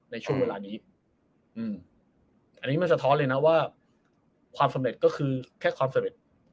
ในช่วงเวลานี้อันนี้มันสะท้อนเลยนะว่าความสำเร็จก็คือแค่ความสำเร็จ